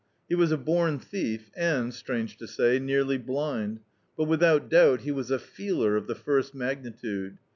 He was a bom thief and, strange to say, nearly blind; but without doubt, he was a feeler of the first magnitude.